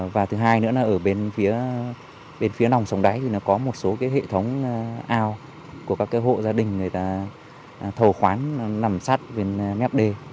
và thứ hai nữa là ở bên phía bên phía nòng sông đáy thì nó có một số hệ thống ao của các hộ gia đình người ta thầu khoán nằm sát bên mép đê